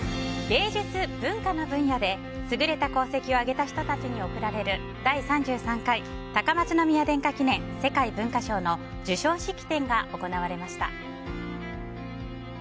芸術・文化の分野で優れた功績を挙げた人たちに贈られる第３３回高松宮殿下記念世界文化賞の授賞式典が行われました。